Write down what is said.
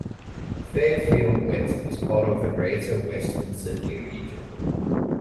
Fairfield West is part of the Greater Western Sydney region.